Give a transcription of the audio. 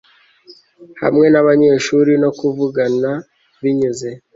hamwe nabanyeshuri no kuvugana binyuze